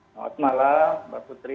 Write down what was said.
selamat malam mbak putri